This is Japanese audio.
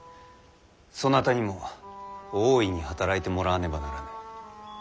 そなたにも大いに働いてもらわねばならぬ。